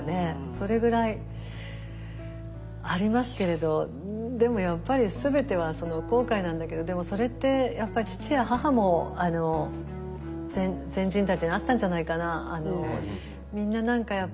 それぐらいありますけれどでもやっぱりでもそれって父や母も先人たちにあったんじゃないかな。